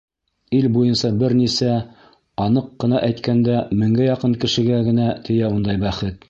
Ил буйынса бер нисә, аныҡ ҡына әйткәндә, меңгә яҡын кешегә генә тейә ундай бәхет.